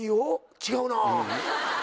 違うなぁ。